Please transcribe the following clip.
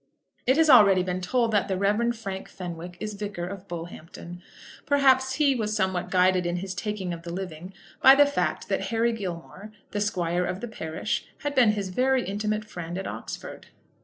It has already been told that the Rev. Frank Fenwick is Vicar of Bullhampton. Perhaps he was somewhat guided in his taking of the living by the fact that Harry Gilmore, the squire of the parish, had been his very intimate friend at Oxford.